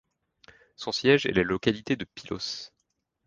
Son siège est la localité de Pylos.